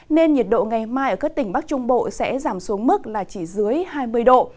nên nhiệt độ ngày mai ở các tỉnh bắc trung bộ sẽ giảm xuống mức là chỉ dưới hai mươi độ